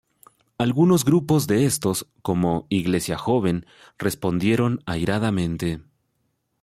Algunos grupos de estos, como Iglesia Joven, respondieron airadamente.